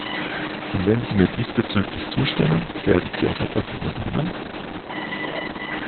Und wenn Sie mir diesbezüglich zustimmen, werden Sie auch etwas unternehmen?